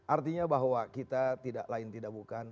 artinya bahwa kita tidak lain tidak bukan